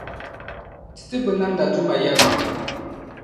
Ti ti binnamda Duuma yεlimaŋli.